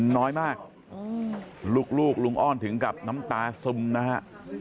น้อยมากลูกลุงอ้อนถึงกับน้ำตาซึมนะฮะ